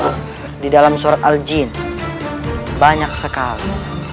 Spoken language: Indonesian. hai hai hai di dalam surat al jin banyak sekali